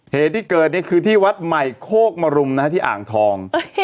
เหตุที่เกิดนี่คือที่วัดใหม่โคกมรุมที่อ่างทอง